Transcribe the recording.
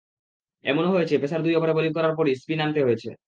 এমনও হয়েছে, পেসার দুই ওভার বোলিং করার পরই স্পিন আনতে হয়েছে।